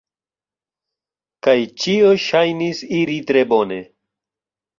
Kaj ĉio ŝajnis iri tre bone.